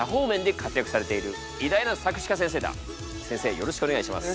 よろしくお願いします。